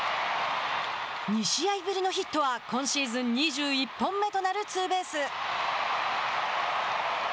２試合ぶりのヒットは今シーズン２１本目となるツーベース。